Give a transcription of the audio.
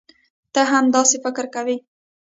تۀ هم داسې فکر کوې؟